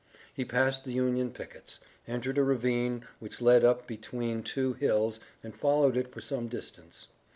He passed the Union pickets, entered a ravine which led up between two hills and followed it for some distance.